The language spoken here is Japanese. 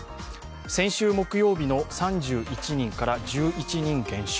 先週木曜日の３１人から１１人減少。